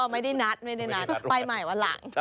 ไม่ได้นัดไม่ได้นัดไปใหม่วันหลัง